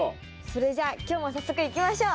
それじゃ今日も早速いきましょう。